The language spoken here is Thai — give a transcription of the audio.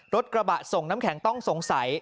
กระบะส่งน้ำแข็งต้องสงสัย